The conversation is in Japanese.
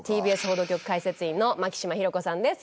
ＴＢＳ報道局解説委員の牧嶋博子さんです